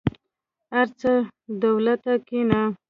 ارڅه دولته کينه.